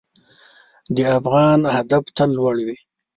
د افغان هدف تل لوړ وي.